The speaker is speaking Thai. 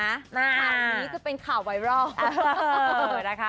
ข่าวนี้จะเป็นข่าวไวรัล